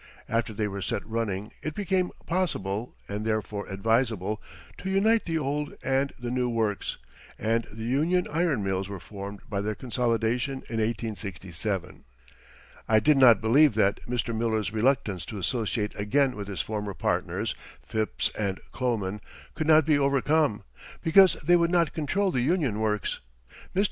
After they were set running it became possible, and therefore advisable, to unite the old and the new works, and the Union Iron Mills were formed by their consolidation in 1867. I did not believe that Mr. Miller's reluctance to associate again with his former partners, Phipps and Kloman, could not be overcome, because they would not control the Union Works. Mr.